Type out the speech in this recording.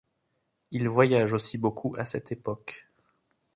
Il voyage aussi beaucoup à cette époque.